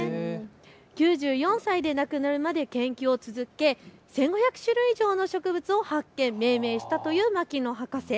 ９４歳で亡くなるまで研究を続け１５００種類以上の植物を発見・命名したという牧野博士。